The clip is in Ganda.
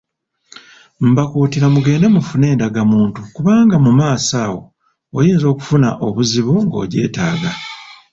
Mbakuutira mugende mufune endagamuntu kubanga mu maaso awo, oyinza okufuna obuzibu ng'ogyetaaga